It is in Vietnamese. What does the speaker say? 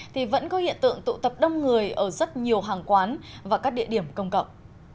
thì vẫn có hiện tượng tụ tập đông người ở rất nhiều hàng quán và các địa điểm công cộng